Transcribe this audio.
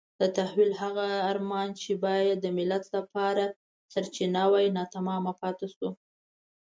د تحول هغه ارمان چې باید د ملت لپاره سرچینه وای ناتمام پاتې شو.